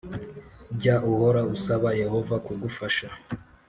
Jya uhora usaba Yehova kugufasha